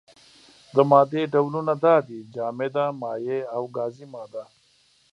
د مادې ډولونه دا دي: جامده، مايع او گازي ماده.